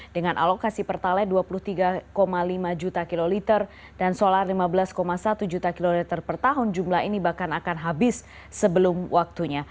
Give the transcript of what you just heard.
dengan alokasi pertalai dua puluh tiga lima juta kiloliter dan solar lima belas satu juta kiloliter per tahun jumlah ini bahkan akan habis sebelum waktunya